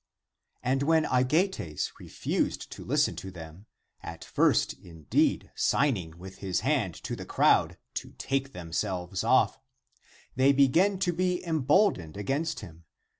And when Aegeates refused to listen to them, at first indeed signing with his hand to the crowd to take themselves off, they began to be em biildcned against liim.